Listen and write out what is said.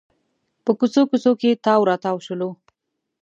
په کوڅو کوڅو کې تاو راتاو شولو.